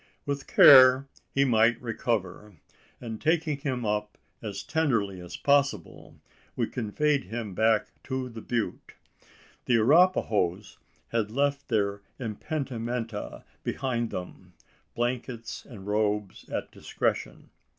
With care, he might recover; and, taking him up as tenderly as possible, we conveyed him back to the butte. The Arapahoes had left their impedimenta behind them blankets and robes at discretion.